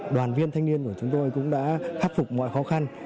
đoàn viên thanh niên của chúng tôi cũng đã khắc phục mọi khó khăn